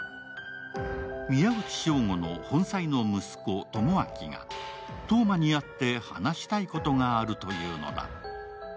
宮内彰吾の本妻の息子・朋晃が燈真に会って話したいことがあるというのだ。